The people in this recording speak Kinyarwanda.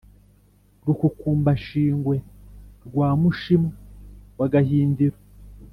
Rukukumbashingwe rwa Mushimwa wa gahindiro,